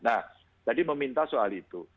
nah jadi meminta soal itu